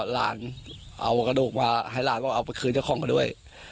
หลานเอากระดูกมาให้หลานว่าเอาไปคืนเจ้าของเขาด้วย